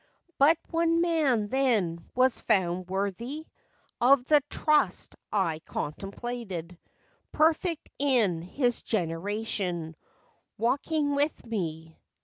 " But one man then was found worthy Of the trust I contemplated, Perfect in his generation, Walking with me.